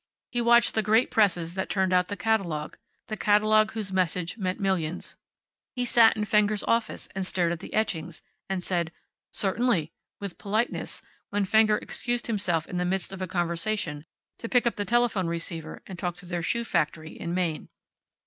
He watched the great presses that turned out the catalogue the catalogue whose message meant millions; he sat in Fenger's office and stared at the etchings, and said, "Certainly," with politeness, when Fenger excused himself in the midst of a conversation to pick up the telephone receiver and talk to their shoe factory in Maine.